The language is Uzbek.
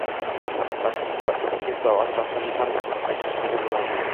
Hatto ikki soat vaqtimni ham ajratmagan bo’lardim